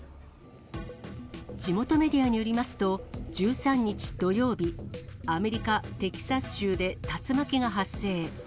地元メディアによりますと、１３日土曜日、アメリカ・テキサス州で竜巻が発生。